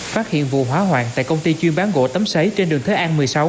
phát hiện vụ hóa hoạn tại công ty chuyên bán gỗ tấm xáy trên đường thới an một mươi sáu